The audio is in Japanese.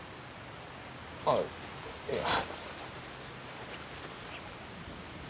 ああいや。